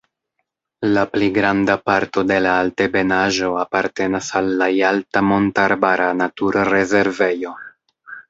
La pli granda parto de la altebenaĵo apartenas al la Jalta mont-arbara naturrezervejo.